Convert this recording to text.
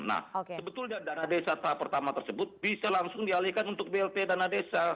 nah sebetulnya dana desa tahap pertama tersebut bisa langsung dialihkan untuk blt dana desa